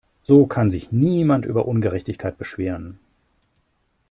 So kann sich niemand über Ungerechtigkeit beschweren.